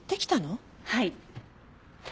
はい。